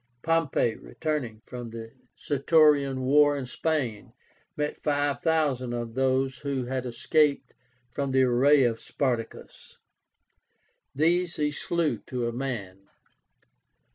Pompey, returning from the Sertorian war in Spain, met five thousand of those who had escaped from the array of Spartacus. These he slew to a man.